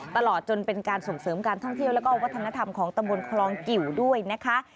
ตลอดจนเป็นการส่งเสริมการท่องเที่ยวแล้วก็วัฒนธรรมของตำบลคลองกิวด้วยนะคะ